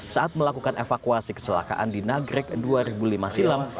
yang dinagrek dua ribu lima silam